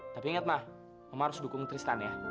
tapi ingat ma mama harus dukung tristan ya